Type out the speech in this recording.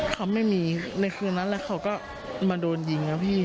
เขาไม่มีในคืนนั้นเขาก็มาโดนยิง